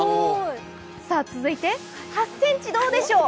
続いて８ｃｍ、どうでしょう。